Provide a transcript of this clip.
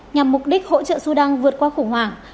nhằm mục đích hỗ trợ sudan vượt qua khủng hoảng